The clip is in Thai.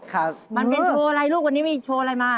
ครับมันเป็นโชว์อะไรลูกวันนี้มีโชว์อะไรมา